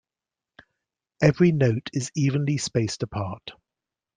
Every note is evenly spaced apart.